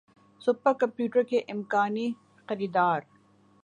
super computer کے امکانی خریدار